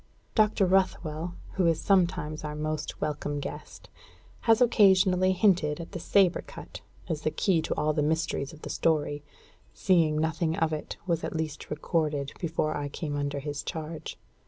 Dr. Ruthwell, who is sometimes our most welcome guest, has occasionally hinted at the sabre cut as the key to all the mysteries of the story, seeing nothing of it was at least recorded before I came under his charge.